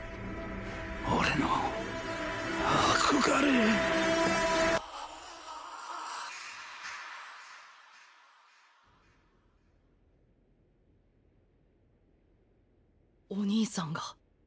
俺の憧れおにいさんが？